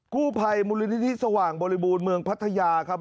กู้ภัยมูลนิธิสว่างบริบูรณ์เมืองพัทยาครับ